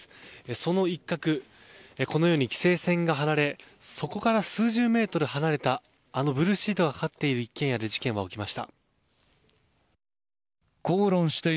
その一角このように規制線が張られそこから数十メートル離れたあのブルーシートがかかっている一軒家で事件は起きました。